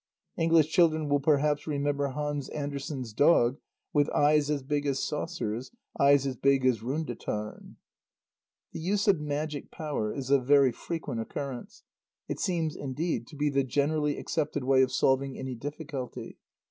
English children will perhaps remember Hans Andersen's dog with "eyes as big as saucers ... eyes as big as Rundetaarn." The use of "magic power" is of very frequent occurrence; it seems, indeed, to be the generally accepted way of solving any difficulty.